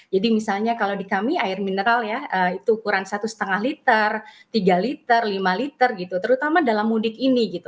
jadi misalnya kalau di kami air mineral ya itu ukuran satu lima liter tiga liter lima liter gitu terutama dalam mudik ini gitu